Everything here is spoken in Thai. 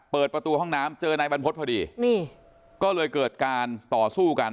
เปิดประตูห้องน้ำเจอนายบรรพฤษพอดีนี่ก็เลยเกิดการต่อสู้กัน